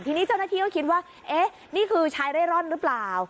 ทีนี้เจ้าหน้าที่ก็คิดว่าเอ๊ะนี่คือชายเร่ร่อนหรือเปล่า